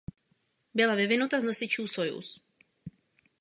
Byla vyvinuta z nosiče Sojuz.